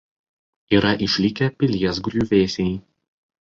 Yra išlikę pilies griuvėsiai.